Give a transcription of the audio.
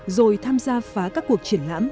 rồi tham gia phá các cuộc triển lãm